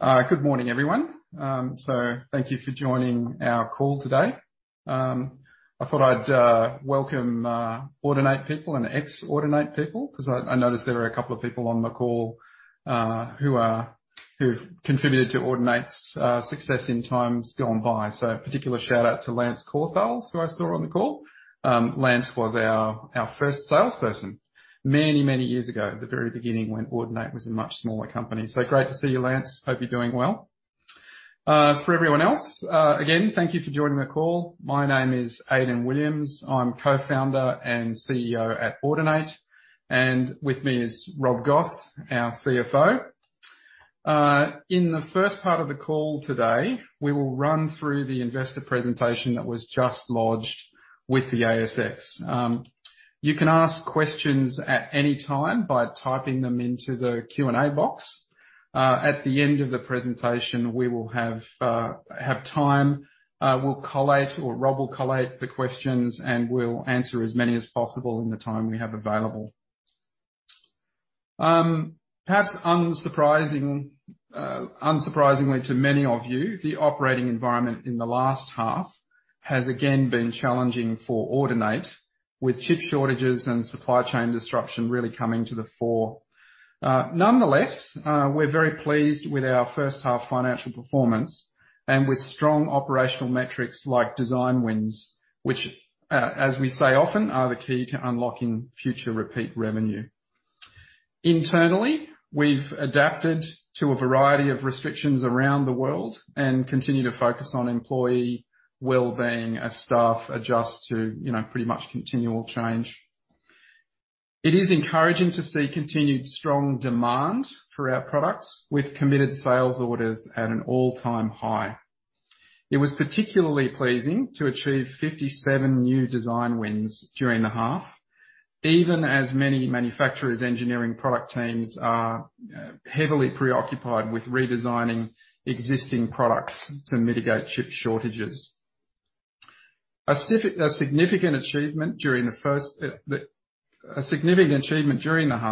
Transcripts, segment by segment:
Good morning, everyone. Thank you for joining our call today. I thought I'd welcome Audinate people and ex-Audinate people because I noticed there are a couple of people on the call who've contributed to Audinate's success in times gone by. Particular shout out to Lance Corthell, who I saw on the call. Lance was our first salesperson many years ago, at the very beginning when Audinate was a much smaller company. Great to see you, Lance. Hope you're doing well. For everyone else, again, thank you for joining the call. My name is Aidan Williams. I'm Co-founder and CEO at Audinate, and with me is Rob Goss, our CFO. In the first part of the call today, we will run through the investor presentation that was just lodged with the ASX. You can ask questions at any time by typing them into the Q&A box. At the end of the presentation, we will have time. We'll collate or Rob will collate the questions, and we'll answer as many as possible in the time we have available. Perhaps unsurprisingly to many of you, the operating environment in the last half has again been challenging for Audinate, with chip shortages and supply chain disruption really coming to the fore. Nonetheless, we're very pleased with our first half financial performance and with strong operational metrics like design wins, which, as we say often, are the key to unlocking future repeat revenue. Internally, we've adapted to a variety of restrictions around the world and continue to focus on employee wellbeing as staff adjust to, you know, pretty much continual change. It is encouraging to see continued strong demand for our products with committed sales orders at an all-time high. It was particularly pleasing to achieve 57 new design wins during the half, even as many manufacturers' engineering product teams are heavily preoccupied with redesigning existing products to mitigate chip shortages. A significant achievement during the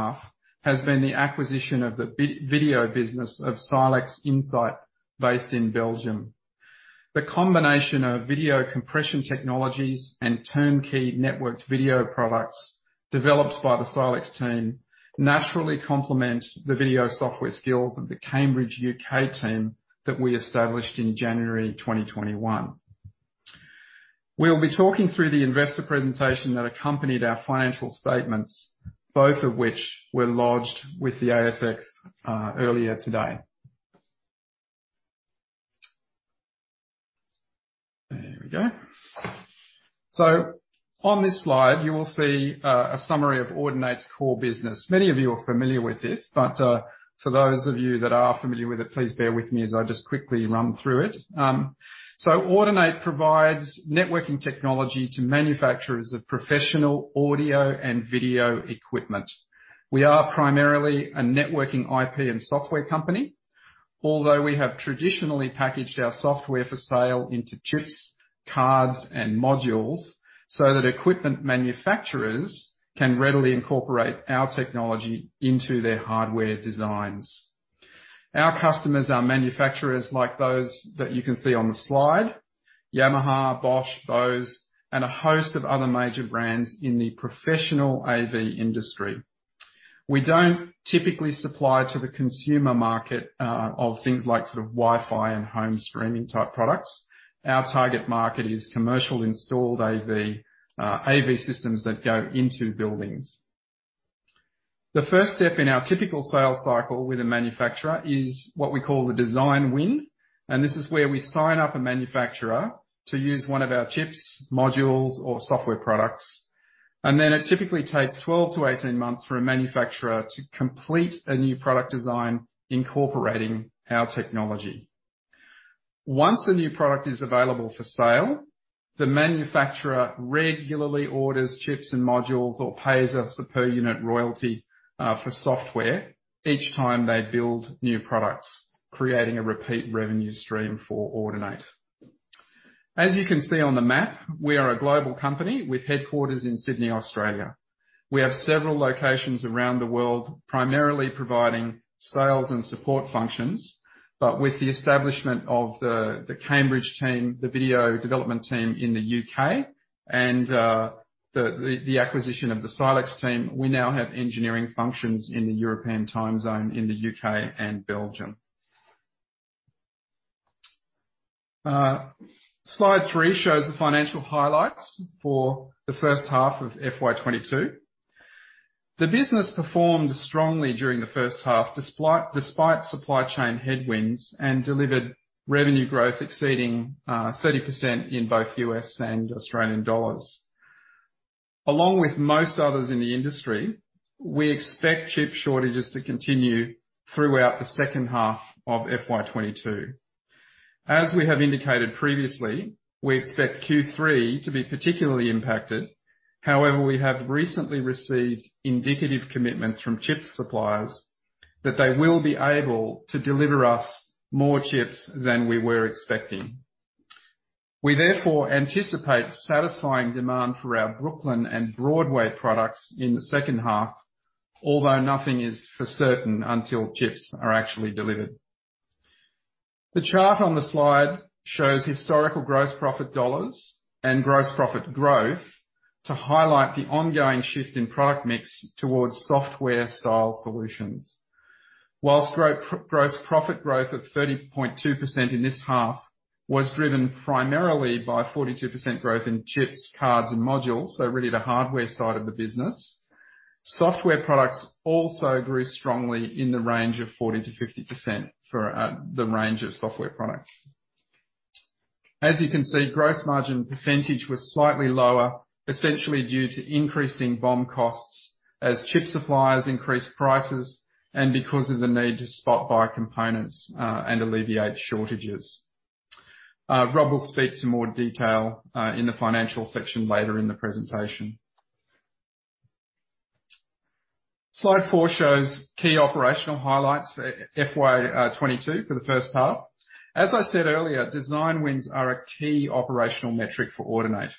half has been the acquisition of the video business of Silex Insight, based in Belgium. The combination of video compression technologies and turnkey networked video products developed by the Silex team naturally complement the video software skills of the Cambridge U.K. team that we established in January 2021. We'll be talking through the investor presentation that accompanied our financial statements, both of which were lodged with the ASX earlier today. There we go. On this slide, you will see a summary of Audinate's core business. Many of you are familiar with this, but for those of you that are familiar with it, please bear with me as I just quickly run through it. Audinate provides networking technology to manufacturers of professional audio and video equipment. We are primarily a networking IP and software company, although we have traditionally packaged our software for sale into chips, cards, and modules, so that equipment manufacturers can readily incorporate our technology into their hardware designs. Our customers are manufacturers like those that you can see on the slide, Yamaha, Bosch, Bose, and a host of other major brands in the professional AV industry. We don't typically supply to the consumer market of things like sort of Wi-Fi and home streaming type products. Our target market is commercial installed AV systems that go into buildings. The first step in our typical sales cycle with a manufacturer is what we call the design win, and this is where we sign up a manufacturer to use one of our chips, modules, or software products. It typically takes 12-18 months for a manufacturer to complete a new product design incorporating our technology. Once a new product is available for sale, the manufacturer regularly orders chips and modules or pays us a pe- unit royalty for software each time they build new products, creating a repeat revenue stream for Audinate. As you can see on the map, we are a global company with headquarters in Sydney, Australia. We have several locations around the world, primarily providing sales and support functions. With the establishment of the Cambridge team, the video development team in the U.K., and the acquisition of the Silex team, we now have engineering functions in the European time zone in the U.K. and Belgium. Slide three shows the financial highlights for the first half of FY 2022. The business performed strongly during the first half, despite supply chain headwinds, and delivered revenue growth exceeding 30% in both U.S. and Australian dollars. Along with most others in the industry, we expect chip shortages to continue throughout the second half of FY 2022. As we have indicated previously, we expect Q3 to be particularly impacted. However, we have recently received indicative commitments from chip suppliers that they will be able to deliver us more chips than we were expecting. We therefore anticipate satisfying demand for our Brooklyn and Broadway products in the second half, although nothing is for certain until chips are actually delivered. The chart on the slide shows historical gross profit dollars and gross profit growth to highlight the ongoing shift in product mix towards software style solutions. While gross profit growth of 30.2% in this half was driven primarily by 42% growth in chips, cards, and modules, so really the hardware side of the business. Software products also grew strongly in the range of 40%-50% for the range of software products. As you can see, gross margin percentage was slightly lower, essentially due to increasing BOM costs as chip suppliers increased prices and because of the need to spot buy components and alleviate shortages. Rob will speak to more detail in the financial section later in the presentation. Slide four shows key operational highlights for FY 2022 for the first half. As I said earlier, design wins are a key operational metric for Audinate.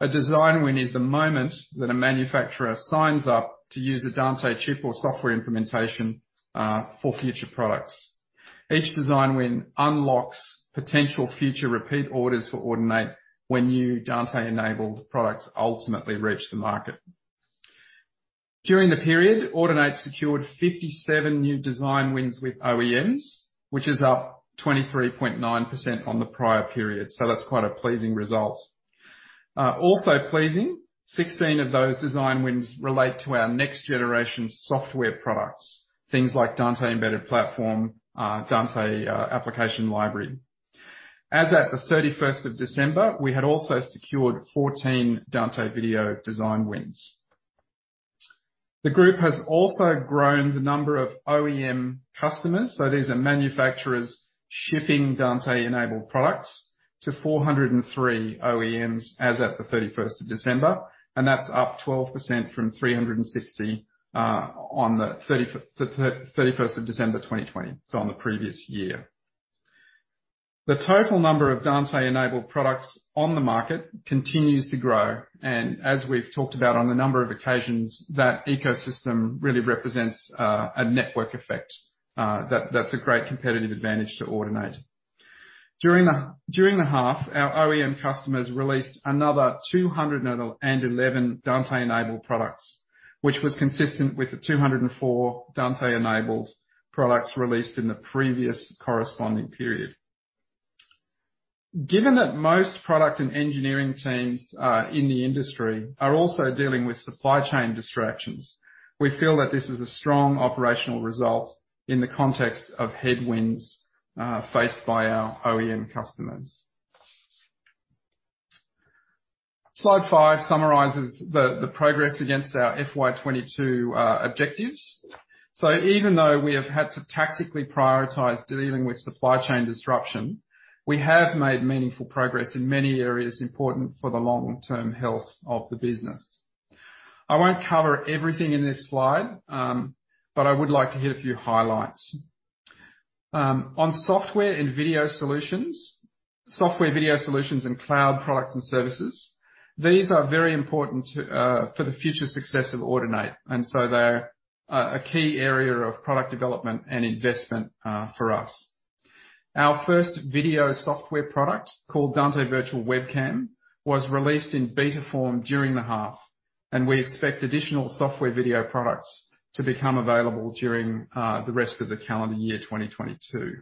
A design win is the moment that a manufacturer signs up to use a Dante chip or software implementation for future products. Each design win unlocks potential future repeat orders for Audinate when new Dante-enabled products ultimately reach the market. During the period, Audinate secured 57 new design wins with OEMs, which is up 23.9% on the prior period, so that's quite a pleasing result. Also pleasing, 16 of those design wins relate to our next generation software products, things like Dante Embedded Platform, Dante Application Library. As at the 31st of December, we had also secured 14 Dante Video design wins. The group has also grown the number of OEM customers, so these are manufacturers shipping Dante-enabled products to 403 OEMs as at the 31st of December, and that's up 12% from 360 on the 31st of December, 2020, so on the previous year. The total number of Dante-enabled products on the market continues to grow, and as we've talked about on a number of occasions, that ecosystem really represents a network effect, that's a great competitive advantage to Audinate. During the half, our OEM customers released another 211 Dante-enabled products, which was consistent with the 204 Dante-enabled products released in the previous corresponding period. Given that most product and engineering teams in the industry are also dealing with supply chain distractions, we feel that this is a strong operational result in the context of headwinds faced by our OEM customers. Slide five summarizes the progress against our FY 2022 objectives. Even though we have had to tactically prioritize dealing with supply chain disruption, we have made meaningful progress in many areas important for the long-term health of the business. I won't cover everything in this slide, but I would like to hit a few highlights. On software video solutions and cloud products and services, these are very important for the future success of Audinate, and so they're a key area of product development and investment for us. Our first video software product, called Dante Virtual Webcam, was released in beta form during the half, and we expect additional software video products to become available during the rest of the calendar year 2022.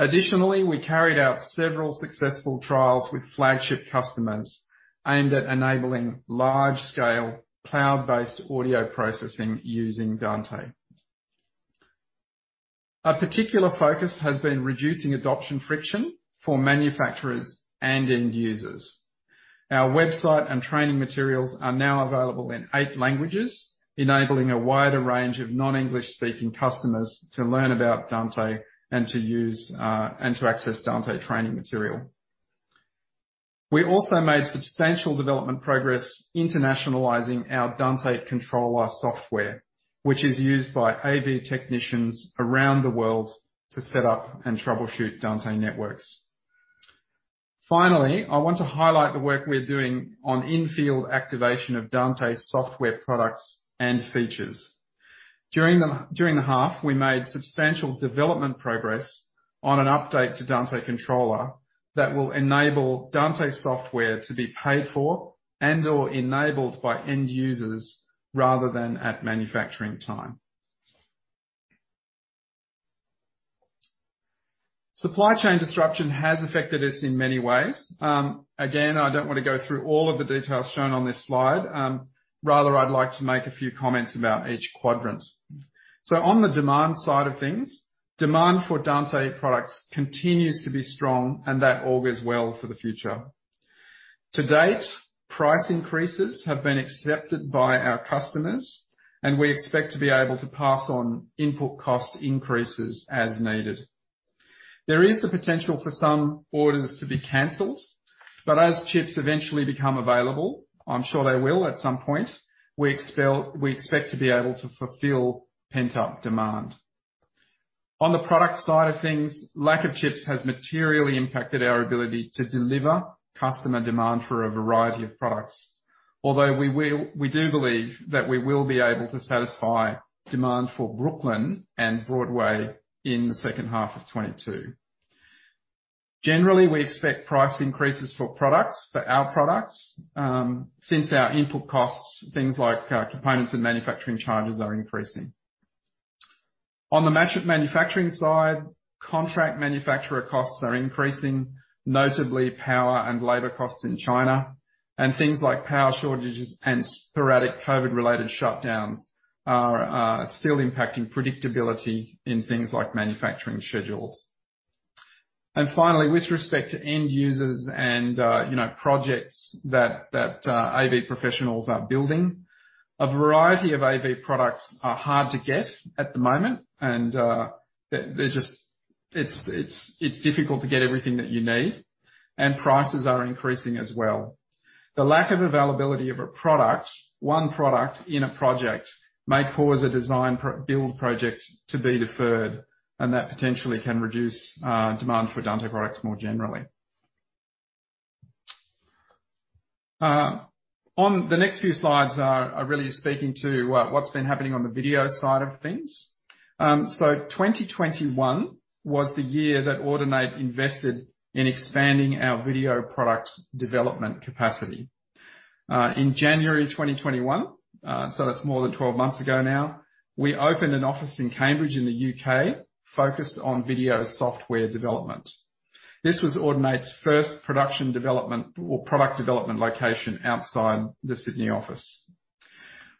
Additionally, we carried out several successful trials with flagship customers aimed at enabling large scale cloud-based audio processing using Dante. A particular focus has been reducing adoption friction for manufacturers and end users. Our website and training materials are now available in eight languages, enabling a wider range of non-English speaking customers to learn about Dante and to use and to access Dante training material. We also made substantial development progress internationalizing our Dante Controller software, which is used by AV technicians around the world to set up and troubleshoot Dante networks. Finally, I want to highlight the work we're doing on in-field activation of Dante software products and features. During the half, we made substantial development progress on an update to Dante Controller that will enable Dante software to be paid for and/or enabled by end users rather than at manufacturing time. Supply chain disruption has affected us in many ways. Again, I don't want to go through all of the details shown on this slide. Rather, I'd like to make a few comments about each quadrant. On the demand side of things, demand for Dante products continues to be strong and that augurs well for the future. To date, price increases have been accepted by our customers, and we expect to be able to pass on input cost increases as needed. There is the potential for some orders to be canceled, but as chips eventually become available, I'm sure they will at some point, we expect to be able to fulfill pent-up demand. On the product side of things, lack of chips has materially impacted our ability to deliver customer demand for a variety of products. Although we do believe that we will be able to satisfy demand for Brooklyn and Broadway in the second half of 2022. Generally, we expect price increases for products, for our products, since our input costs, things like, components and manufacturing charges are increasing. On the manufacturing side, contract manufacturer costs are increasing, notably power and labor costs in China, and things like power shortages and sporadic COVID-related shutdowns are still impacting predictability in things like manufacturing schedules. Finally, with respect to end users and you know, projects that AV professionals are building, a variety of AV products are hard to get at the moment. It's difficult to get everything that you need, and prices are increasing as well. The lack of availability of a product, one product in a project, may cause a build project to be deferred, and that potentially can reduce demand for Dante products more generally. On the next few slides are really speaking to what's been happening on the video side of things. 2021 was the year that Audinate invested in expanding our video products development capacity. In January 2021, that's more than 12 months ago now, we opened an office in Cambridge in the U.K. focused on video software development. This was Audinate's first production development or product development location outside the Sydney office.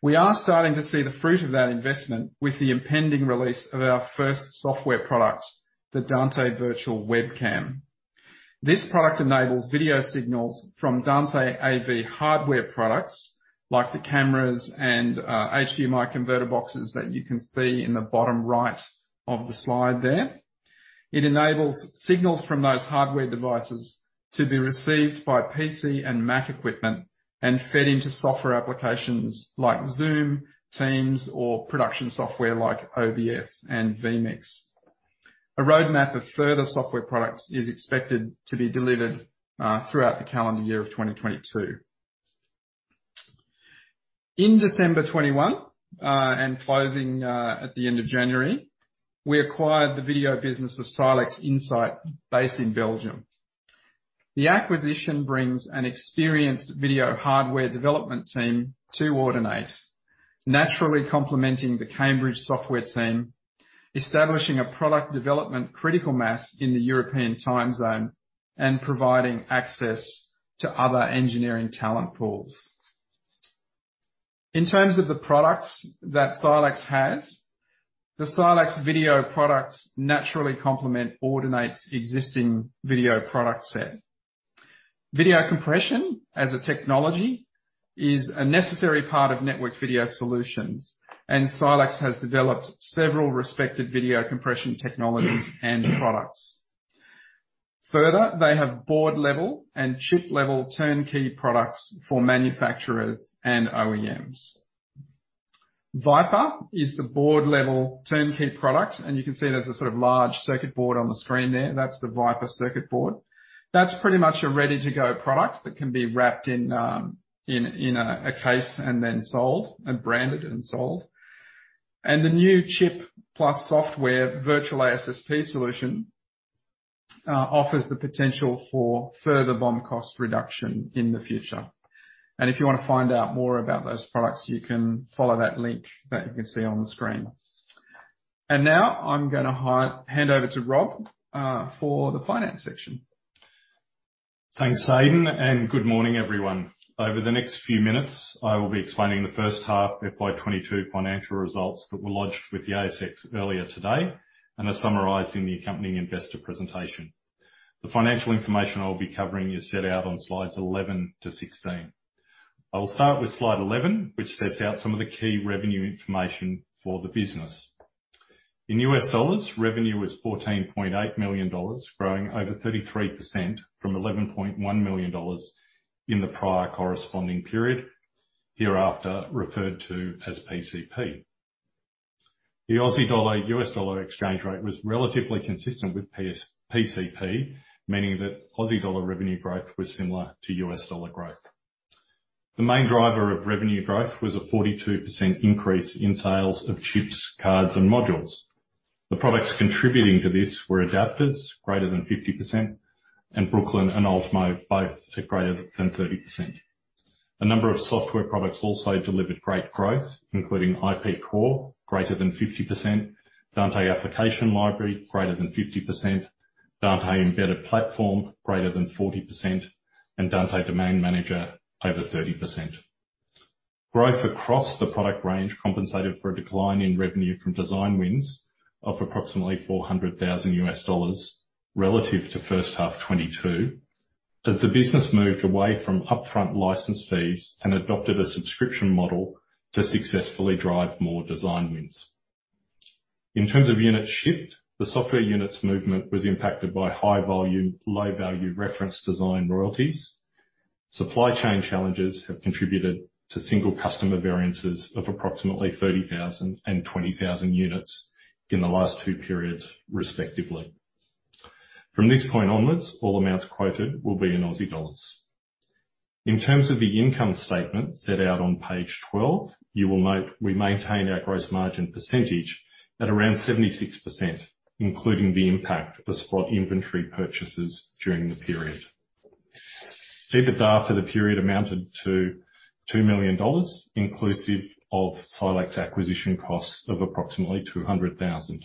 We are starting to see the fruit of that investment with the impending release of our first software product, the Dante Virtual Webcam. This product enables video signals from Dante AV hardware products like the cameras and HDMI converter boxes that you can see in the bottom right of the slide there. It enables signals from those hardware devices to be received by PC and Mac equipment and fed into software applications like Zoom, Teams, or production software like OBS and vMix. A roadmap of further software products is expected to be delivered throughout the calendar year of 2022. In December 2021 and closing at the end of January, we acquired the video business of Silex Insight based in Belgium. The acquisition brings an experienced video hardware development team to Audinate, naturally complementing the Cambridge software team, establishing a product development critical mass in the European time zone, and providing access to other engineering talent pools. In terms of the products that Silex has, the Silex video products naturally complement Audinate's existing video product set. Video compression as a technology is a necessary part of network video solutions, and Silex has developed several respected video compression technologies and products. Further, they have board-level and chip-level turnkey products for manufacturers and OEMs. VIPER is the board-level turnkey product, and you can see it as a sort of large circuit board on the screen there. That's the VIPER circuit board. That's pretty much a ready-to-go product that can be wrapped in a case and then sold and branded and sold. The new chip plus software Video ASSP solution offers the potential for further BOM cost reduction in the future. If you wanna find out more about those products, you can follow that link that you can see on the screen. Now I'm gonna hand over to Rob for the finance section. Thanks, Aidan, and good morning, everyone. Over the next few minutes, I will be explaining the first half FY 2022 financial results that were lodged with the ASX earlier today and are summarized in the accompanying investor presentation. The financial information I will be covering is set out on slides 11-16. I will start with slide 11, which sets out some of the key revenue information for the business. In U.S. dollars, revenue was $14.8 million, growing over 33% from $11.1 million in the prior corresponding period, hereafter referred to as PCP. The Aussie dollar/U.S. dollar exchange rate was relatively consistent with PCP, meaning that Aussie dollar revenue growth was similar to U.S. dollar growth. The main driver of revenue growth was a 42% increase in sales of chips, cards, and modules. The products contributing to this were adapters greater than 50% and Brooklyn and Ultimo both at greater than 30%. A number of software products also delivered great growth, including IP Core, greater than 50%, Dante Application Library, greater than 50%, Dante Embedded Platform, greater than 40%, and Dante Domain Manager, over 30%. Growth across the product range compensated for a decline in revenue from design wins of approximately $400,000 relative to first half 2022 as the business moved away from upfront license fees and adopted a subscription model to successfully drive more design wins. In terms of units shipped, the software units movement was impacted by high volume, low value reference design royalties. Supply chain challenges have contributed to single customer variances of approximately 30,000 and 20,000 units in the last two periods, respectively. From this point onwards, all amounts quoted will be in AUD. In terms of the income statement set out on page 12, you will note we maintained our gross margin percentage at around 76%, including the impact of the spot inventory purchases during the period. EBITDA for the period amounted to 2 million dollars, inclusive of Silex acquisition costs of approximately 200,000.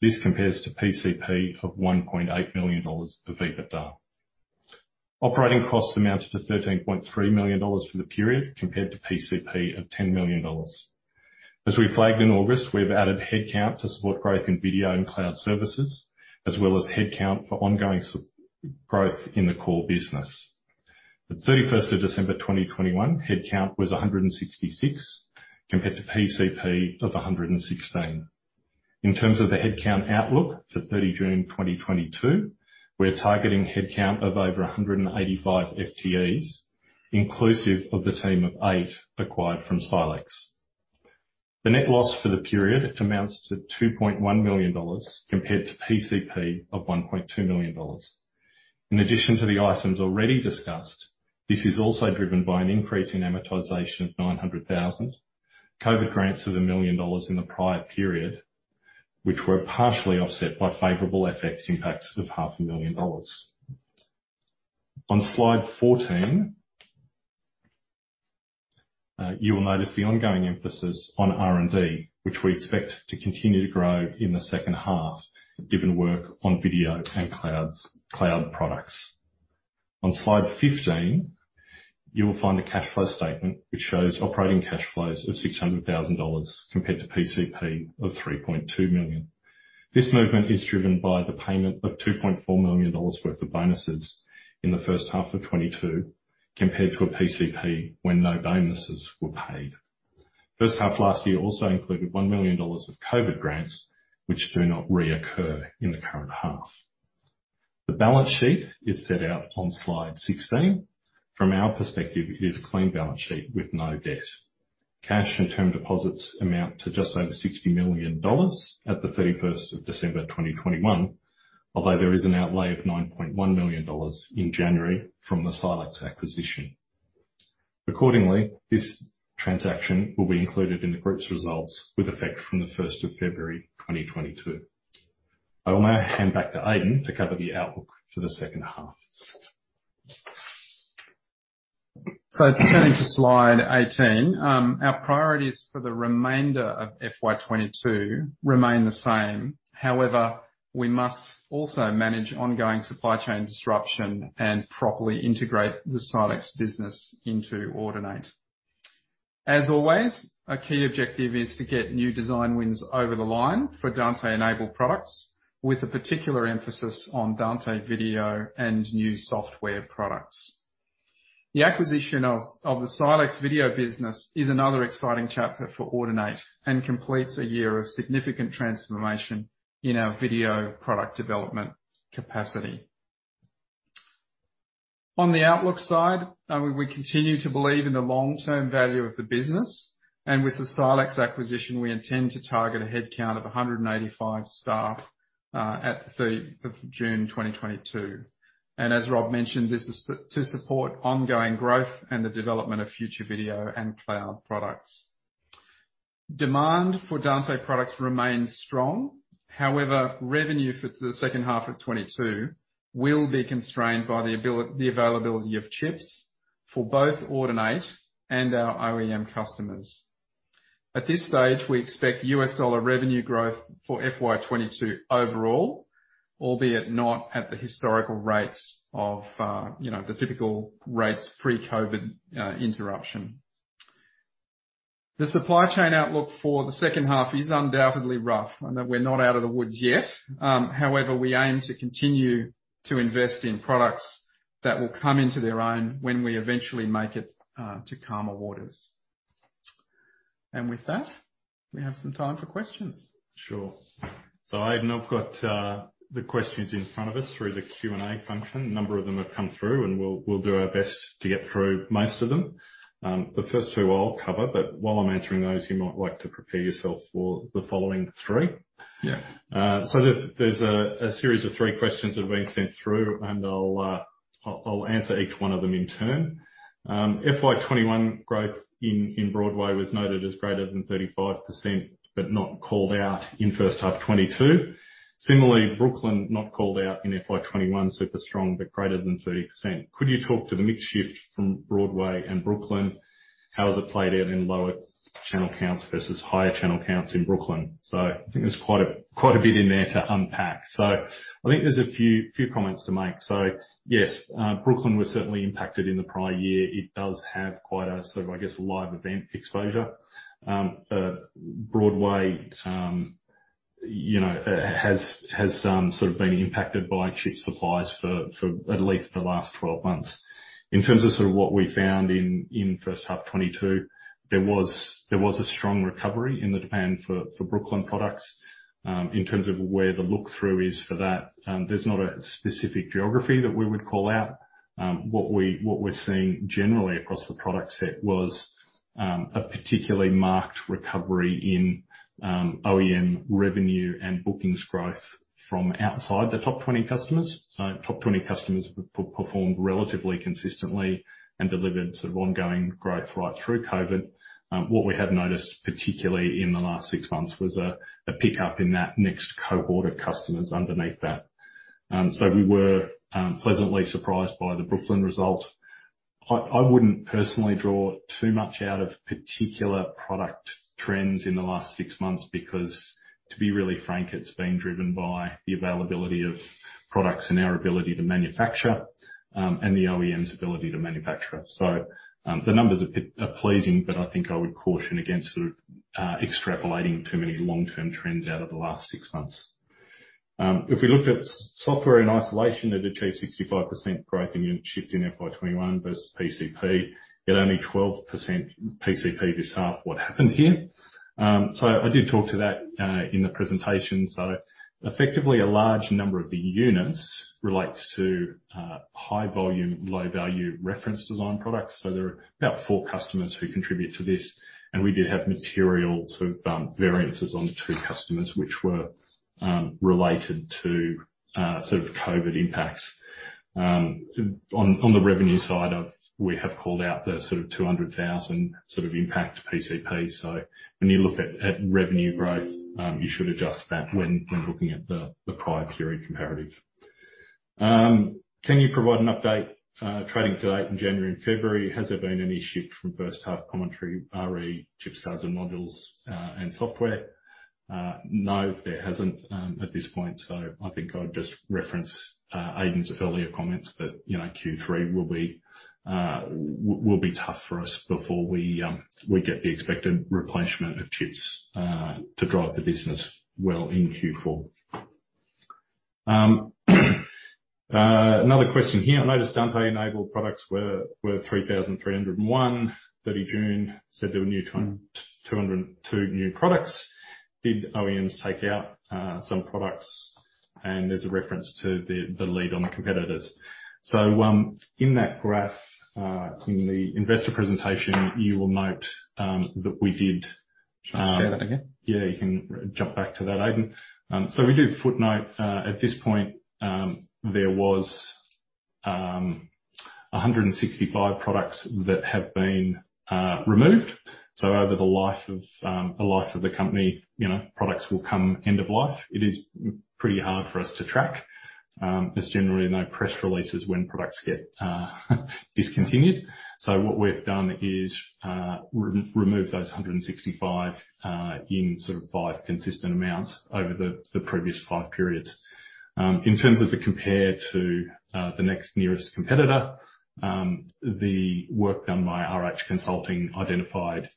This compares to PCP of 1.8 million dollars of EBITDA. Operating costs amounted to 13.3 million dollars for the period, compared to PCP of 10 million dollars. As we flagged in August, we have added headcount to support growth in video and cloud services, as well as headcount for ongoing growth in the core business. The 31st of December 2021 headcount was 166 compared to PCP of 116. In terms of the headcount outlook for 30 June 2022, we're targeting headcount of over 185 FTEs, inclusive of the team of eight acquired from Silex. The net loss for the period amounts to 2.1 million dollars compared to PCP of 1.2 million dollars. In addition to the items already discussed, this is also driven by an increase in amortization of 900,000, COVID grants of 1 million dollars in the prior period, which were partially offset by favorable FX impacts of 500,000 dollars. On slide 14, you will notice the ongoing emphasis on R&D, which we expect to continue to grow in the second half, given work on video and cloud products. On slide 15, you will find the cash flow statement, which shows operating cash flows of 600,000 dollars compared to PCP of 3.2 million. This movement is driven by the payment of 2.4 million dollars worth of bonuses in the first half of 2022 compared to a PCP when no bonuses were paid. First half last year also included 1 million dollars of COVID grants, which do not reoccur in the current half. The balance sheet is set out on slide 16. From our perspective, it is a clean balance sheet with no debt. Cash and term deposits amount to just over AUD 60 million at the thirty-first of December 2021. Although there is an outlay of 9.1 million dollars in January from the Silex acquisition. Accordingly, this transaction will be included in the group's results with effect from the first of February 2022. I will now hand back to Aidan to cover the outlook for the second half. Turning to slide 18. Our priorities for the remainder of FY 2022 remain the same. However, we must also manage ongoing supply chain disruption and properly integrate the Silex business into Audinate. As always, a key objective is to get new design wins over the line for Dante-enabled products, with a particular emphasis on Dante video and new software products. The acquisition of the Silex video business is another exciting chapter for Audinate and completes a year of significant transformation in our video product development capacity. On the outlook side, we continue to believe in the long-term value of the business. With the Silex acquisition, we intend to target a headcount of 185 staff at the end of June 2022. As Rob mentioned, this is to support ongoing growth and the development of future video and cloud products. Demand for Dante products remains strong. However, revenue for the second half of 2022 will be constrained by the availability of chips for both Audinate and our OEM customers. At this stage, we expect U.S. dollar revenue growth for FY 2022 overall, albeit not at the historical rates of, you know, the typical rates pre-COVID interruption. The supply chain outlook for the second half is undoubtedly rough, and that we're not out of the woods yet. However, we aim to continue to invest in products that will come into their own when we eventually make it to calmer waters. With that, we have some time for questions. Sure. Aidan, I've got the questions in front of us through the Q&A function. A number of them have come through, and we'll do our best to get through most of them. The first two I'll cover, but while I'm answering those, you might like to prepare yourself for the following three. Yeah. There's a series of three questions that have been sent through, and I'll answer each one of them in turn. FY 2021 growth in Broadway was noted as greater than 35%, but not called out in first half 2022. Similarly, Brooklyn not called out in FY 2021, super strong, but greater than 30%. Could you talk to the mix shift from Broadway and Brooklyn? How has it played out in lower channel counts versus higher channel counts in Brooklyn? I think there's quite a bit in there to unpack. I think there's a few comments to make. Yes, Brooklyn was certainly impacted in the prior year. It does have quite a sort of, I guess, live event exposure. Broadway, you know, has sort of been impacted by chip supplies for at least the last 12 months. In terms of sort of what we found in first half 2022, there was a strong recovery in the demand for Brooklyn products. In terms of where the look-through is for that, there's not a specific geography that we would call out. What we're seeing generally across the product set was a particularly marked recovery in OEM revenue and bookings growth from outside the top 20 customers. Top 20 customers performed relatively consistently and delivered sort of ongoing growth right through COVID. What we have noticed, particularly in the last six months, was a pickup in that next cohort of customers underneath that. We were pleasantly surprised by the Brooklyn result. I wouldn't personally draw too much out of particular product trends in the last six months because to be really frank, it's been driven by the availability of products and our ability to manufacture, and the OEM's ability to manufacture. The numbers are pleasing, but I think I would caution against extrapolating too many long-term trends out of the last six months. If we looked at software in isolation, it achieved 65% growth in unit shipped in FY 2021 versus PCP. Yet only 12% PCP this half. What happened here? I did talk to that in the presentation. Effectively, a large number of the units relates to high-volume, low value reference design products. There are about four customers who contribute to this, and we did have material sort of variances on two customers which were related to sort of COVID impacts. On the revenue side we have called out the sort of 200,000 sort of impact PCP. When you look at revenue growth, you should adjust that when looking at the prior period comparative. Can you provide an update trading to date in January and February? Has there been any shift from first half commentary re chips, cards and modules and software? No, there hasn't at this point. I think I'll just reference Aidan's earlier comments that, you know, Q3 will be tough for us before we get the expected replacement of chips to drive the business well in Q4. Another question here. I noticed Dante-enabled products were 3,301. 30 June, there were 202 new products. Did OEMs take out some products? And there's a reference to the lead over the competitors. In that graph in the investor presentation, you will note that we did. Shall I share that again? Yeah, you can jump back to that, Aidan. We do footnote at this point there was 165 products that have been removed. Over the life of the company, you know, products will come end of life. It is pretty hard for us to track. There's generally no press releases when products get discontinued. What we've done is removed those 165 in sort of five consistent amounts over the previous five periods. In terms of the comparison to the next nearest competitor, the work done by RH Consulting identified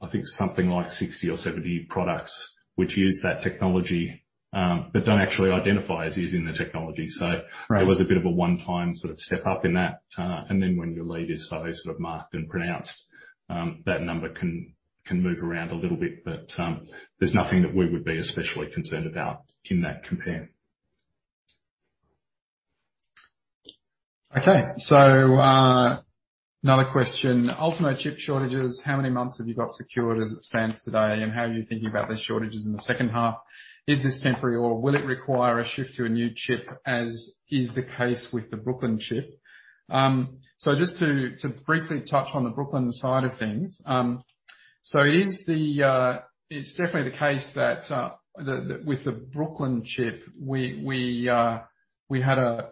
I think something like 60 or 70 products which use that technology but don't actually identify as using the technology. Right. There was a bit of a one-time sort of step up in that. When your lead is so sort of marked and pronounced, that number can move around a little bit. There's nothing that we would be especially concerned about in that comparison. Okay. Another question. Ultimo chip shortages. How many months have you got secured as it stands today? And how are you thinking about those shortages in the second half? Is this temporary or will it require a shift to a new chip, as is the case with the Brooklyn chip? Just to briefly touch on the Brooklyn side of things. It's definitely the case that with the Brooklyn chip, we had a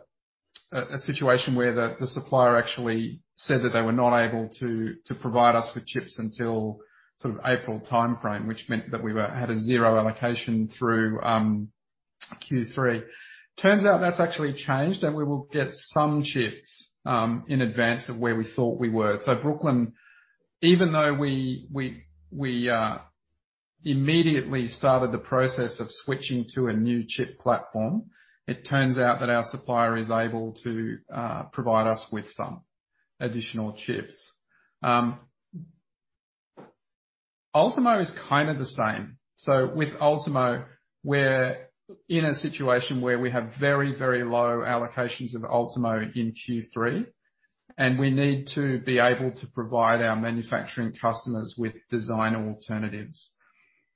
situation where the supplier actually said that they were not able to provide us with chips until sort of April timeframe. Which meant that we had a zero allocation through Q3. Turns out that's actually changed, and we will get some chips in advance of where we thought we were. Brooklyn, even though we immediately started the process of switching to a new chip platform, it turns out that our supplier is able to provide us with some additional chips. Ultimo is kind of the same. With Ultimo, we're in a situation where we have very, very low allocations of Ultimo in Q3, and we need to be able to provide our manufacturing customers with design alternatives.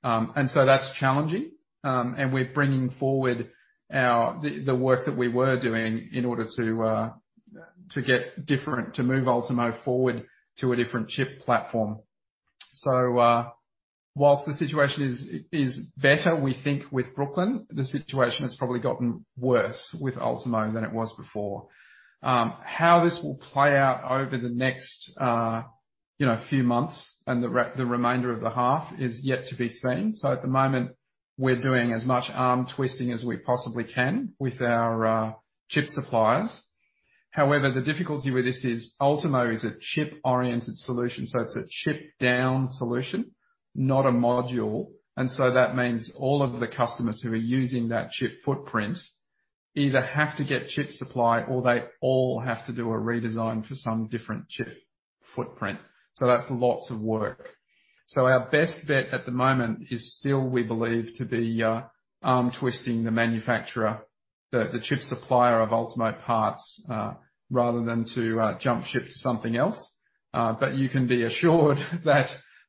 That's challenging. We're bringing forward the work that we were doing in order to move Ultimo forward to a different chip platform. While the situation is better, we think with Brooklyn, the situation has probably gotten worse with Ultimo than it was before. How this will play out over the next, you know, few months and the remainder of the half is yet to be seen. At the moment we're doing as much arm twisting as we possibly can with our chip suppliers. However, the difficulty with this is Ultimo is a chip-oriented solution, so it's a chip-down solution, not a module. That means all of the customers who are using that chip footprint either have to get chip supply or they all have to do a redesign for some different chip. Footprint. That's lots of work. Our best bet at the moment is still, we believe, to be arm-twisting the manufacturer, the chip supplier of Ultimo parts, rather than to jump ship to something else. But you can be assured that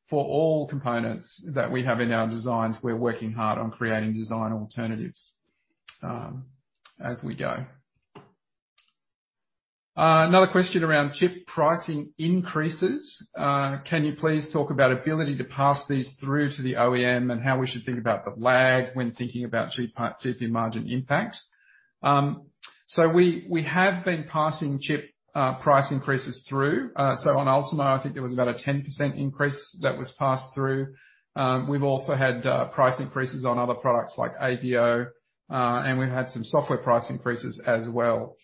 for all components that we have in our designs, we're working hard on creating design alternatives, as we go. Another question around chip pricing increases. Can you please talk about ability to pass these through to the OEM and how we should think about the lag when thinking about GP margin impact? So we have been passing chip price increases through. So on Ultimo, I think there was about a 10% increase that was passed through. We've also had price increases on other products like AVIO, and we've had some software price increases as well.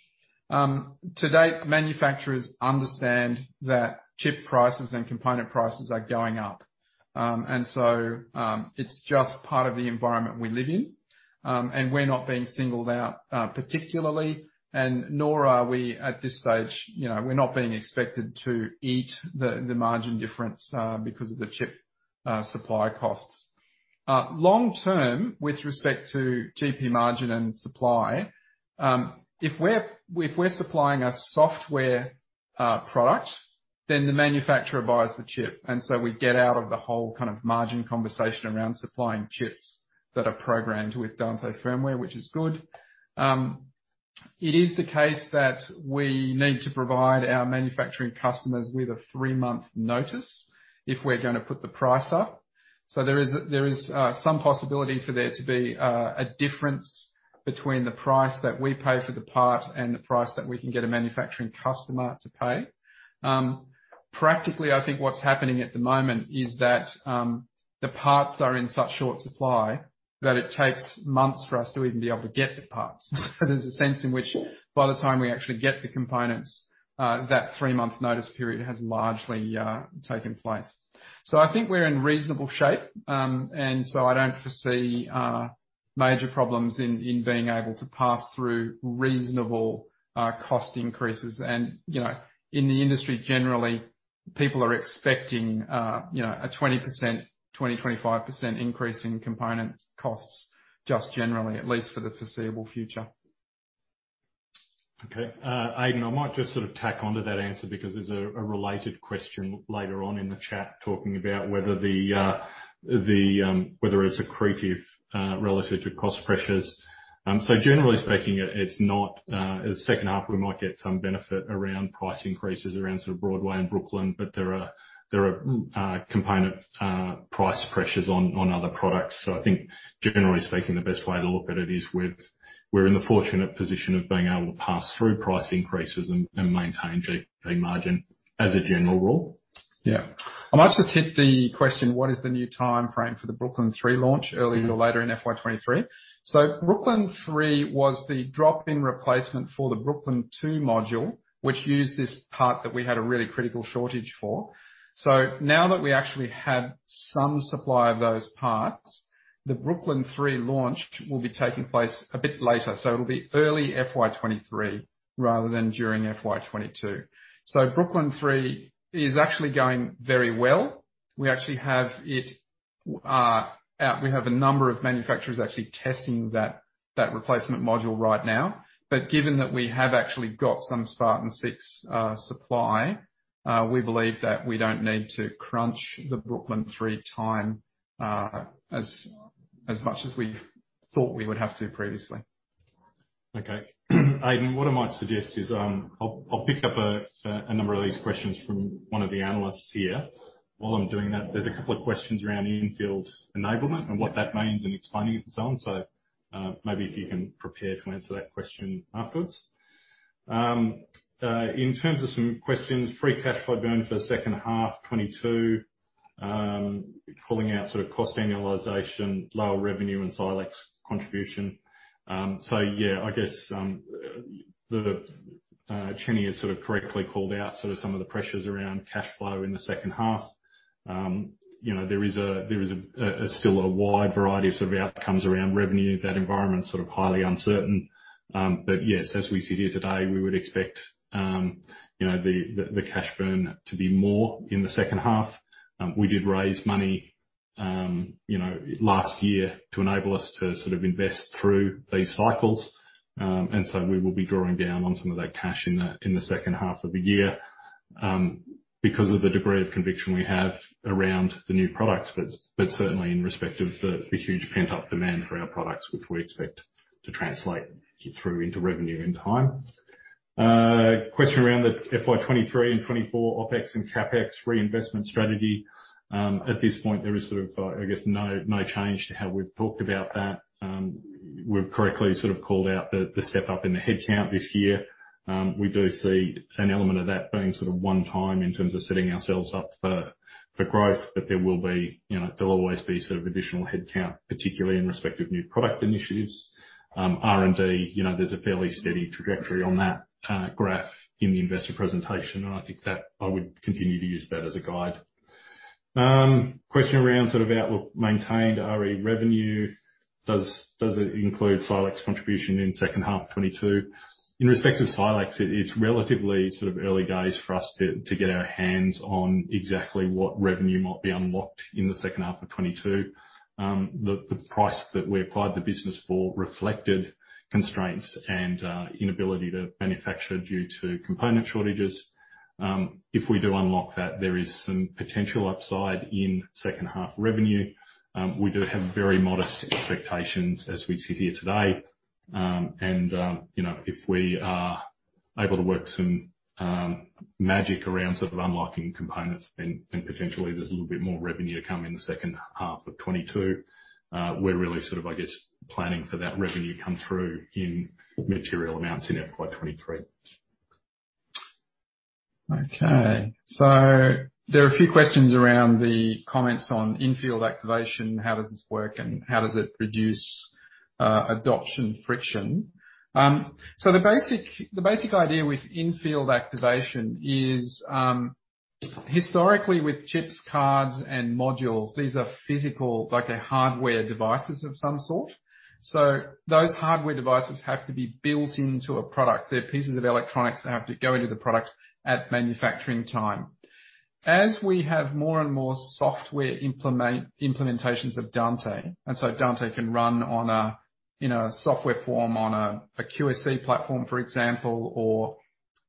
To date, manufacturers understand that chip prices and component prices are going up. It's just part of the environment we live in. We're not being singled out particularly, and nor are we at this stage, you know, we're not being expected to eat the margin difference because of the chip supply costs. Long term, with respect to GP margin and supply, if we're supplying a software product, then the manufacturer buys the chip, and so we get out of the whole kind of margin conversation around supplying chips that are programmed with Dante firmware, which is good. It is the case that we need to provide our manufacturing customers with a three-month notice if we're gonna put the price up. There is some possibility for there to be a difference between the price that we pay for the part and the price that we can get a manufacturing customer to pay. Practically, I think what's happening at the moment is that the parts are in such short supply that it takes months for us to even be able to get the parts. There's a sense in which by the time we actually get the components, that three-month notice period has largely taken place. I think we're in reasonable shape. I don't foresee major problems in being able to pass through reasonable cost increases. You know, in the industry, generally, people are expecting, you know, a 20%-25% increase in components costs just generally, at least for the foreseeable future. Okay. Aidan, I might just sort of tack onto that answer because there's a related question later on in the chat talking about whether it's accretive relative to cost pressures. Generally speaking, it's not. In the second half, we might get some benefit around price increases around sort of Broadway and Brooklyn, but there are component price pressures on other products. I think generally speaking, the best way to look at it is with we're in the fortunate position of being able to pass through price increases and maintain GP margin as a general rule. Yeah. I might just hit the question, what is the new timeframe for the Brooklyn 3 launch, earlier or later in FY 2023? Brooklyn 3 was the drop-in replacement for the Brooklyn 2 module, which used this part that we had a really critical shortage for. Now that we actually have some supply of those parts, the Brooklyn 3 launch will be taking place a bit later, so it'll be early FY 2023 rather than during FY 2022. Brooklyn 3 is actually going very well. We actually have it out. We have a number of manufacturers actually testing that replacement module right now. Given that we have actually got some Spartan-6 supply, we believe that we don't need to crunch the Brooklyn 3 time as much as we thought we would have to previously. Okay. Aidan, what I might suggest is, I'll pick up a number of these questions from one of the analysts here. While I'm doing that, there's a couple of questions around the in-field activation and what that means and explaining it and so on. Maybe if you can prepare to answer that question afterwards. In terms of some questions, free cash flow burn for the second half 2022, pulling out sort of cost annualization, lower revenue and Silex contribution. Yeah, I guess, the, Chenny has sort of correctly called out sort of some of the pressures around cash flow in the second half. You know, there is still a wide variety of sort of outcomes around revenue. That environment's sort of highly uncertain. Yes, as we sit here today, we would expect, you know, the cash burn to be more in the second half. We did raise money, you know, last year to enable us to sort of invest through these cycles. We will be drawing down on some of that cash in the second half of the year, because of the degree of conviction we have around the new products, but certainly in respect of the huge pent-up demand for our products, which we expect to translate through into revenue in time. Question around the FY 2023 and 2024 OpEx and CapEx reinvestment strategy. At this point, there is sort of, I guess, no change to how we've talked about that. We've correctly sort of called out the step-up in the headcount this year. We do see an element of that being sort of one time in terms of setting ourselves up for growth, but there will be, you know, there'll always be sort of additional headcount, particularly in respect of new product initiatives. R&D, you know, there's a fairly steady trajectory on that graph in the investor presentation, and I think that I would continue to use that as a guide. Question around sort of outlook maintained re revenue. Does it include Silex contribution in second half 2022? In respect to Silex, it's relatively sort of early days for us to get our hands on exactly what revenue might be unlocked in the second half of 2022. The price that we acquired the business for reflected constraints and inability to manufacture due to component shortages. If we do unlock that, there is some potential upside in second half revenue. We do have very modest expectations as we sit here today. You know, if we are able to work some magic around sort of unlocking components, then potentially there's a little bit more revenue to come in the second half of 2022. We're really sort of, I guess, planning for that revenue come through in material amounts in FY 2023. Okay. There are a few questions around the comments on in-field activation, how does this work, and how does it reduce adoption friction. The basic idea with in-field activation is, historically with chips, cards, and modules, these are physical, like a hardware devices of some sort. Those hardware devices have to be built into a product. They're pieces of electronics that have to go into the product at manufacturing time. As we have more and more software implementations of Dante, and so Dante can run in a software form on a QSC platform, for example, or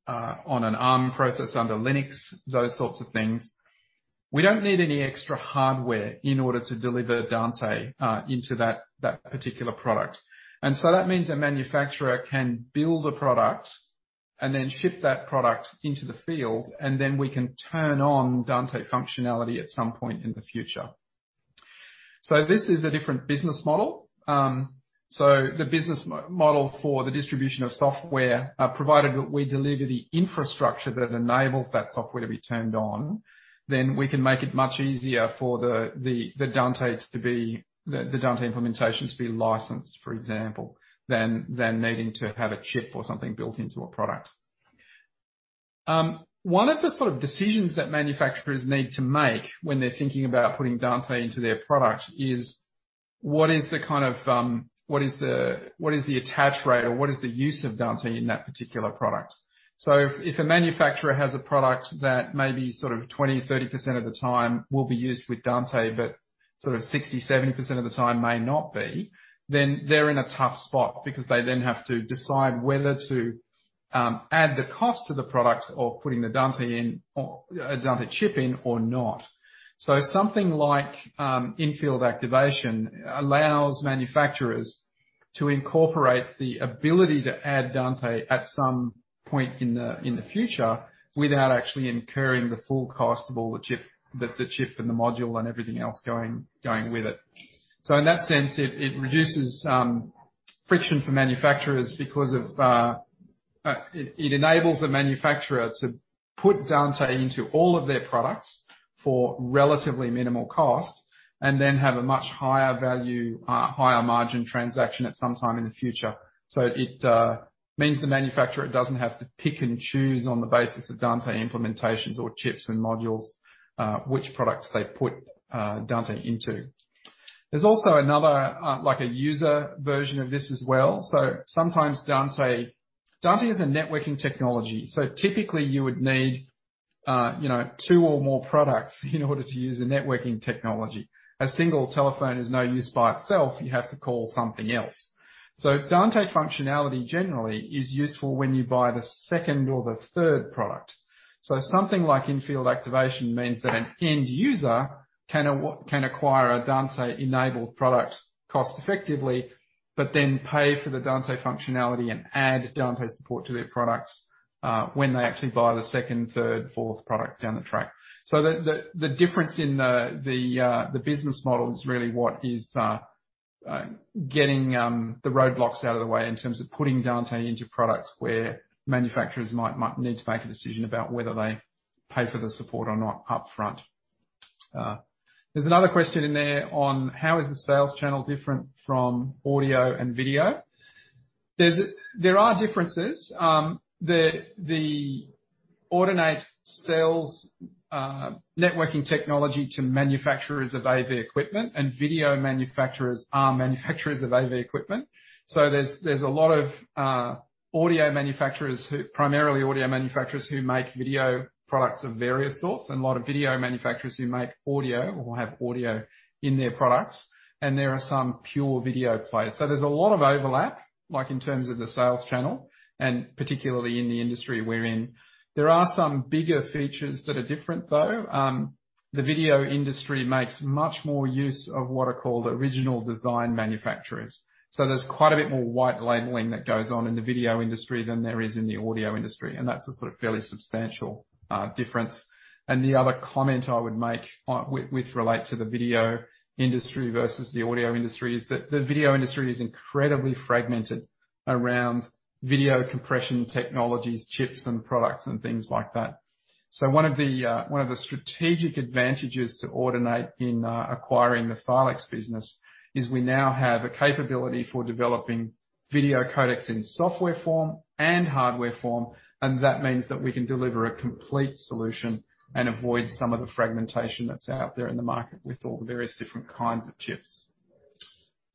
on an ARM processor under Linux, those sorts of things. We don't need any extra hardware in order to deliver Dante into that particular product. That means a manufacturer can build a product and then ship that product into the field, and then we can turn on Dante functionality at some point in the future. This is a different business model. The business model for the distribution of software, provided that we deliver the infrastructure that enables that software to be turned on, then we can make it much easier for the Dante implementation to be licensed, for example, than needing to have a chip or something built into a product. One of the sort of decisions that manufacturers need to make when they're thinking about putting Dante into their product is the attach rate or the use of Dante in that particular product? If a manufacturer has a product that maybe sort of 20%-30% of the time will be used with Dante, but sort of 60%-70% of the time may not be, then they're in a tough spot because they then have to decide whether to add the cost to the product of putting the Dante in, or a Dante chip in or not. Something like in-field activation allows manufacturers to incorporate the ability to add Dante at some point in the future without actually incurring the full cost of all the chip and the module and everything else going with it. In that sense, it reduces friction for manufacturers because it enables the manufacturer to put Dante into all of their products for relatively minimal cost and then have a much higher value higher margin transaction at some time in the future. It means the manufacturer doesn't have to pick and choose on the basis of Dante implementations or chips and modules which products they put Dante into. There's also another like a user version of this as well. Sometimes Dante... Dante is a networking technology, so typically you would need, you know, two or more products in order to use a networking technology. A single telephone is no use by itself. You have to call something else. Dante functionality generally is useful when you buy the second or the third product. Something like in-field activation means that an end user can acquire a Dante-enabled product cost-effectively, but then pay for the Dante functionality and add Dante support to their products when they actually buy the second, third, fourth product down the track. The difference in the business model is really what is getting the roadblocks out of the way in terms of putting Dante into products where manufacturers might need to make a decision about whether they pay for the support or not upfront. There's another question in there on how is the sales channel different from audio and video? There are differences. Audinate sells networking technology to manufacturers of AV equipment, and video manufacturers are manufacturers of AV equipment. So there's a lot of primarily audio manufacturers who make video products of various sorts, and a lot of video manufacturers who make audio or have audio in their products, and there are some pure video players. So there's a lot of overlap, like in terms of the sales channel, and particularly in the industry we're in. There are some bigger features that are different, though. The video industry makes much more use of what are called original design manufacturers. There's quite a bit more white labeling that goes on in the video industry than there is in the audio industry, and that's a sort of fairly substantial difference. The other comment I would make with relation to the video industry versus the audio industry is that the video industry is incredibly fragmented around video compression technologies, chips and products and things like that. One of the strategic advantages to Audinate in acquiring the Silex business is we now have a capability for developing video codecs in software form and hardware form, and that means that we can deliver a complete solution and avoid some of the fragmentation that's out there in the market with all the various different kinds of chips.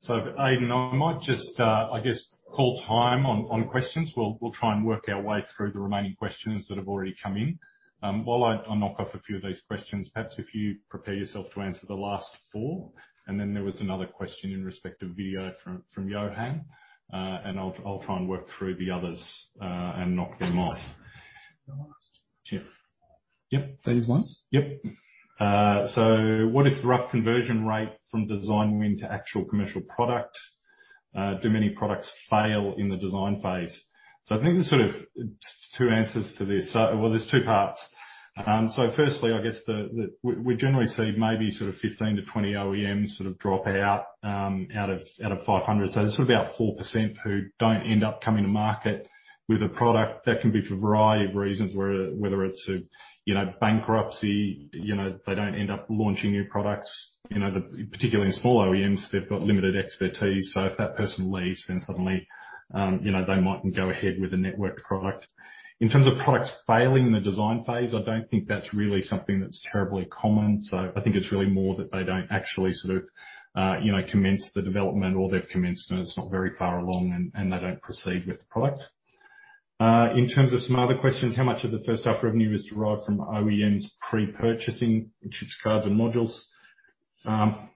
Aidan, I might just, I guess, call time on questions. We'll try and work our way through the remaining questions that have already come in. While I knock off a few of these questions, perhaps if you prepare yourself to answer the last four, and then there was another question in respect to video from Johan. I'll try and work through the others, and knock them off. The last. Yeah. Yep. That is the last? Yep. What is the rough conversion rate from design win to actual commercial product? Do many products fail in the design phase? I think there's sort of two answers to this. Well, there's two parts. Firstly, I guess we generally see maybe sort of 15-20 OEMs sort of drop out of 500. There's sort of about 4% who don't end up coming to market with a product. That can be for a variety of reasons, whether it's a, you know, bankruptcy, you know, they don't end up launching new products. You know, particularly in small OEMs, they've got limited expertise, so if that person leaves, then suddenly, you know, they mightn't go ahead with a networked product. In terms of products failing in the design phase, I don't think that's really something that's terribly common. I think it's really more that they don't actually sort of commence the development or they've commenced and it's not very far along and they don't proceed with the product. In terms of some other questions, how much of the first half revenue is derived from OEMs pre-purchasing chips, cards, and modules?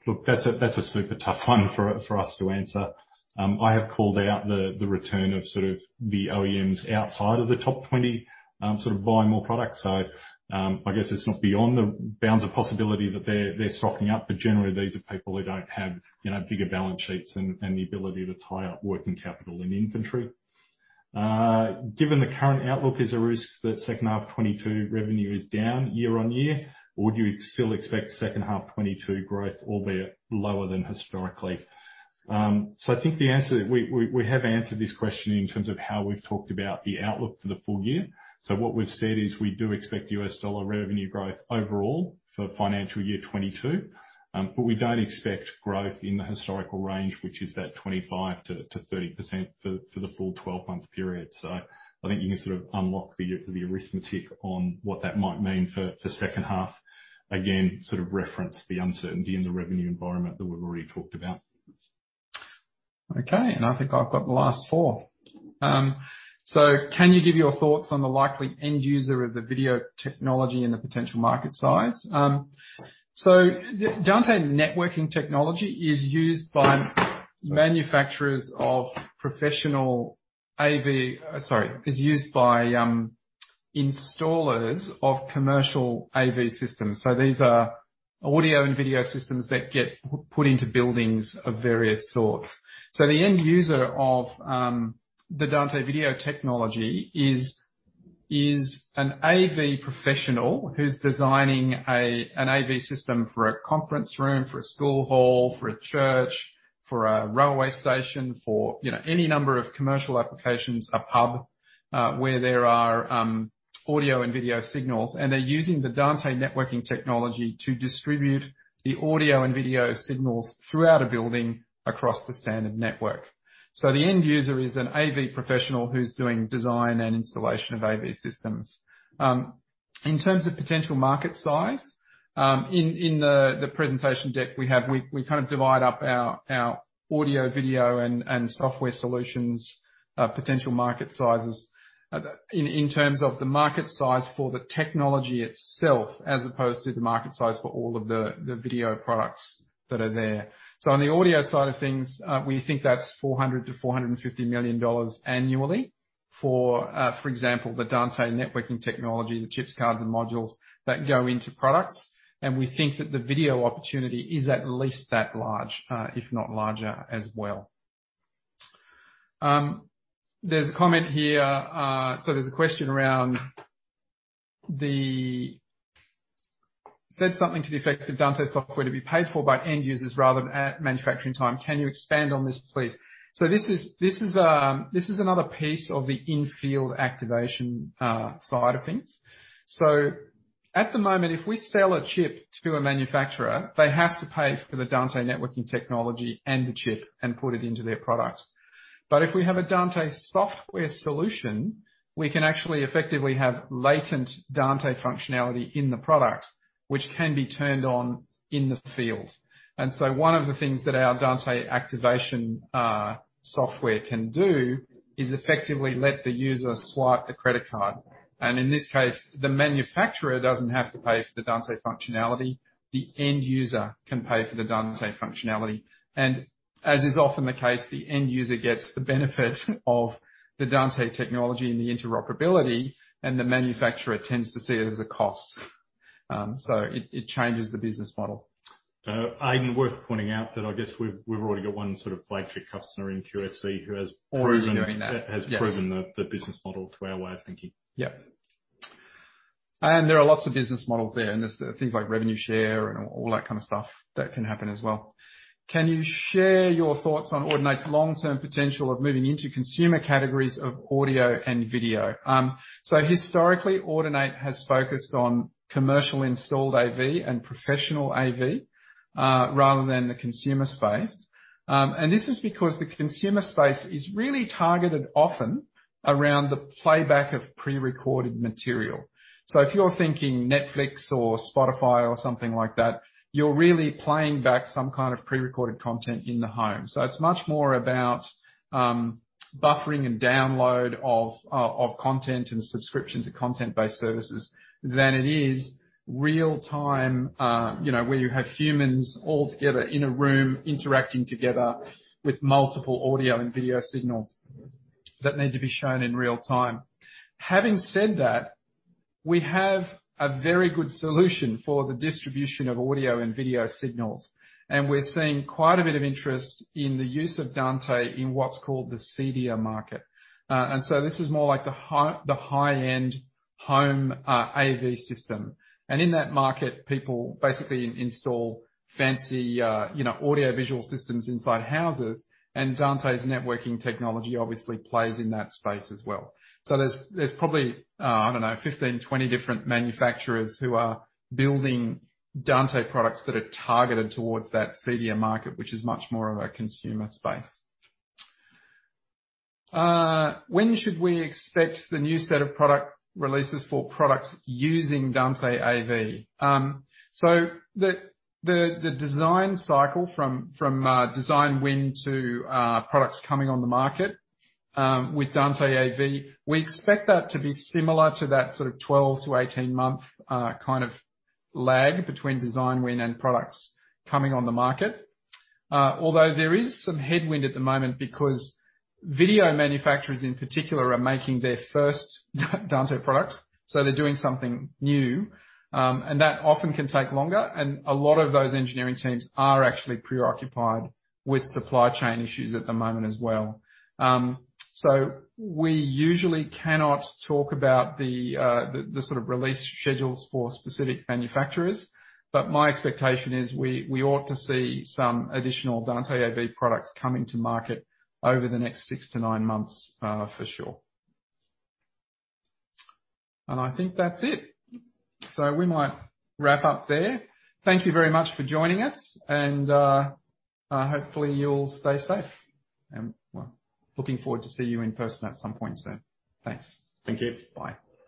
Look, that's a super tough one for us to answer. I have called out the return of sort of the OEMs outside of the top 20, sort of buying more products. I guess it's not beyond the bounds of possibility that they're stocking up, but generally, these are people who don't have you know bigger balance sheets and the ability to tie up working capital in inventory. Given the current outlook, is there a risk that second half 2022 revenue is down year on year or do you still expect second half 2022 growth, albeit lower than historically? I think the answer is we have answered this question in terms of how we've talked about the outlook for the full year. What we've said is we do expect U.S. dollar revenue growth overall for financial year 2022, but we don't expect growth in the historical range, which is 25%-30% for the full 12-month period. I think you can sort of unlock the arithmetic on what that might mean for second half. Again, sort of reference the uncertainty in the revenue environment that we've already talked about. Okay, I think I've got the last four. Can you give your thoughts on the likely end user of the video technology and the potential market size? Dante networking technology is used by installers of commercial AV systems. These are audio and video systems that get put into buildings of various sorts. The end user of the Dante video technology is an AV professional who's designing an AV system for a conference room, for a school hall, for a church, for a railway station, for you know, any number of commercial applications, a pub, where there are audio and video signals, and they're using the Dante networking technology to distribute the audio and video signals throughout a building across the standard network. The end user is an AV professional who's doing design and installation of AV systems. In terms of potential market size, in the presentation deck we have, we kind of divide up our audio, video and software solutions' potential market sizes. In terms of the market size for the technology itself, as opposed to the market size for all of the video products that are there. On the audio side of things, we think that's 400 million-450 million dollars annually for example, the Dante networking technology, the chips cards and modules that go into products. We think that the video opportunity is at least that large, if not larger as well. There's a comment here. There's a question around the said something to the effect of Dante software to be paid for by end users rather than at manufacturing time. Can you expand on this, please? This is another piece of the in-field activation side of things. At the moment, if we sell a chip to a manufacturer, they have to pay for the Dante networking technology and the chip and put it into their product. If we have a Dante software solution, we can actually effectively have latent Dante functionality in the product, which can be turned on in the field. One of the things that our Dante activation software can do is effectively let the user swipe the credit card. In this case, the manufacturer doesn't have to pay for the Dante functionality. The end user can pay for the Dante functionality. As is often the case, the end user gets the benefit of the Dante technology and the interoperability, and the manufacturer tends to see it as a cost. It changes the business model. Aidan, worth pointing out that I guess we've already got one sort of flagship customer in QSC who has proven- Already doing that. Yes. Has proven the business model to our way of thinking. Yep. There are lots of business models there, and there's the things like revenue share and all that kind of stuff that can happen as well. Can you share your thoughts on Audinate's long-term potential of moving into consumer categories of audio and video? Historically, Audinate has focused on commercial installed AV and professional AV, rather than the consumer space. This is because the consumer space is really targeted often around the playback of prerecorded material. If you're thinking Netflix or Spotify or something like that, you're really playing back some kind of prerecorded content in the home. It's much more about buffering and download of content and subscriptions to content-based services than it is real-time, you know, where you have humans all together in a room interacting together with multiple audio and video signals that need to be shown in real time. Having said that, we have a very good solution for the distribution of audio and video signals, and we're seeing quite a bit of interest in the use of Dante in what's called the CEDIA market. This is more like the high-end home AV system. In that market, people basically install fancy, you know, audio visual systems inside houses, and Dante's networking technology obviously plays in that space as well. There's probably, I don't know, 15, 20 different manufacturers who are building Dante products that are targeted towards that CEDIA market, which is much more of a consumer space. When should we expect the new set of product releases for products using Dante AV? The design cycle from design win to products coming on the market with Dante AV, we expect that to be similar to that sort of 12-18 month kind of lag between design win and products coming on the market. Although there is some headwind at the moment because video manufacturers in particular are making their first Dante product, so they're doing something new, and that often can take longer, and a lot of those engineering teams are actually preoccupied with supply chain issues at the moment as well. We usually cannot talk about the sort of release schedules for specific manufacturers. My expectation is we ought to see some additional Dante AV products coming to market over the next six to 9 months, for sure. I think that's it. We might wrap up there. Thank you very much for joining us and, hopefully you'll stay safe and, well, looking forward to see you in person at some point soon. Thanks. Thank you. Bye.